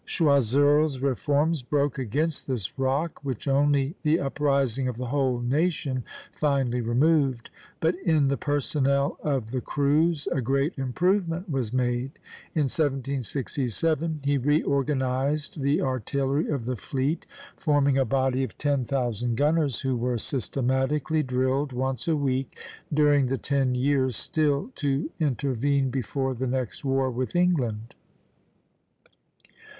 Choiseul's reforms broke against this rock, which only the uprising of the whole nation finally removed; but in the personnel of the crews a great improvement was made. In 1767 he reorganized the artillery of the fleet, forming a body of ten thousand gunners, who were systematically drilled once a week during the ten years still to intervene before the next war with England.